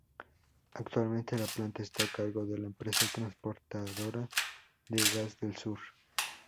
Actualmente la planta está a cargo de la empresa Transportadora de Gas del Sur.